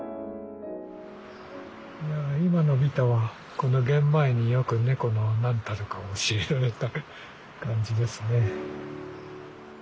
今のビタはこのゲンマイによく猫の何たるかを教えられた感じですね。